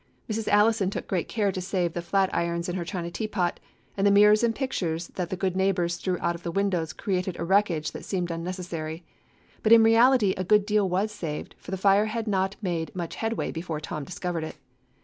Mrs. Allison took great care to salve the flat irons and her china teapot, and the mirrors and pictures that the good neighbors threw out of the windows created a wreckage that seemed unnecessary. But in reality a good deal was saved, for the fire had not made much headway before Tom discovered it.